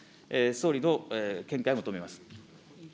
総理の見解を求めます。